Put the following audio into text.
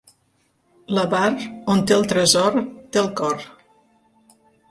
L'avar, on té el tresor, té el cor.